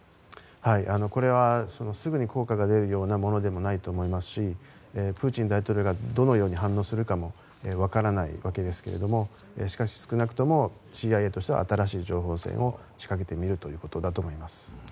これはすぐに効果が出るようなものでもないと思いますしプーチン大統領がどのように反応するかも分からないわけですけれどもしかし少なくともＣＩＡとしては新しい情報戦を仕掛けてみようということだと思います。